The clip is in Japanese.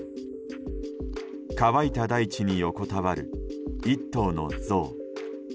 乾いた大地に横たわる１頭のゾウ。